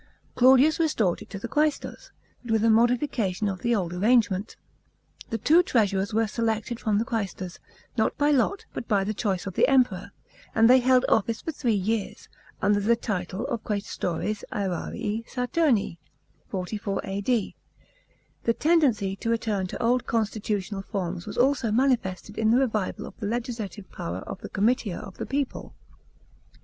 Claudius restored it to the quaestors, but with a modification of the old arrangement. The two treasurers were selected from the quaBStors, not by lot, but by the choice of the Emperor, and they held office for three years, under the title of qusestores xrarii Saturni (44 A.D.). The tendency to return to old constitutional forms was also manifested in the revival of the legislative power of the comitia of the people.